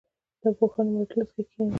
د پوهانو په مجلس کې کښېنئ.